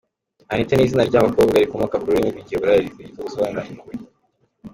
Anita ni izina ry’abakobwa rikomoka ku rurimi rw’Igiheburayi rikaba risobanura “Impuhwe”.